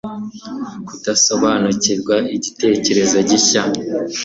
kudasobanukirwa igitekerezo gishya